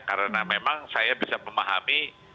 karena memang saya bisa memahami